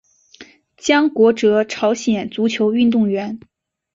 姜国哲朝鲜足球运动员。